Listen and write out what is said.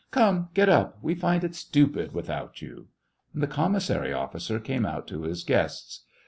" Come, get up ! we find it stupid without you." And the commissary officer came out to his guests.